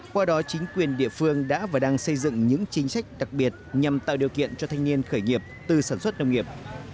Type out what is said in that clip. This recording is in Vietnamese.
qua đó chính quyền địa phương đã và đang xây dựng những chính sách đặc biệt nhằm tạo điều kiện cho thanh niên khởi nghiệp từ sản xuất nông nghiệp